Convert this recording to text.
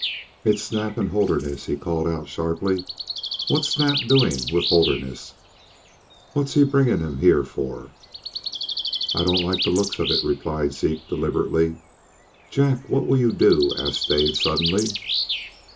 "It's Snap and Holderness," he called out, sharply. "What's Snap doing with Holderness? What's he bringing him here for?" "I don't like the looks of it," replied Zeke, deliberately. "Jack, what'll you do?" asked Dave, suddenly.